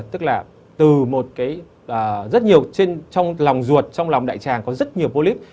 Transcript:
tức là từ một cái rất nhiều trong lòng ruột trong lòng đại tràng có rất nhiều polyp